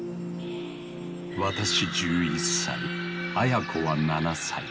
私１１歳アヤ子は７歳。